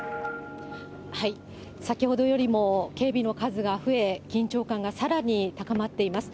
先ほどよりも警備の数が増え、緊張感がさらに高まっています。